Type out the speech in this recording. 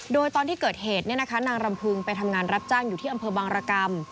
โดยตอนที่เกิดเหตุนางรำพึงไปทำงานรับจ้างอยู่ที่อำเภอบางรกรรม